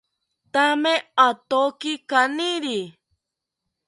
Thame athoki kaniri